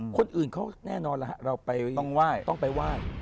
คนอื่นเขาแน่นอนเราไปต้องไปไหว้